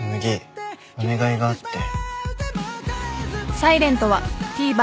紬お願いがあって。